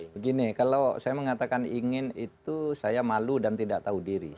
begini kalau saya mengatakan ingin itu saya malu dan tidak tahu diri